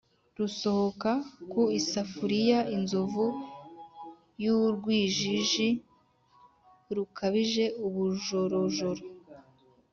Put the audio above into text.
Rusohoka ku isafuriya Inzovu y'urwijiji rukabije ubujorojoro